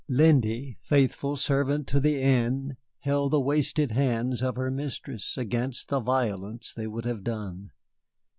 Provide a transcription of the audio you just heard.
Lindy, faithful servant to the end, held the wasted hands of her mistress against the violence they would have done.